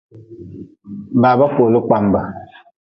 Baba kooli kpambe.